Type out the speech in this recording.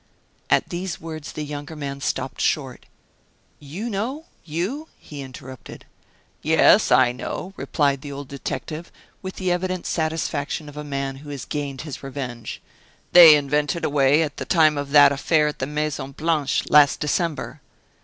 At these words the younger man stopped short. "You know you?" he interrupted. "Yes, I know," replied the old detective, with the evident satisfaction of a man who has gained his revenge. "They invented a way at the time of that affair at the Maison Blanche, last December."